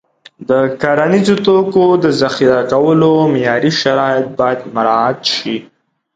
د کرنیزو توکو د ذخیره کولو معیاري شرایط باید مراعت شي.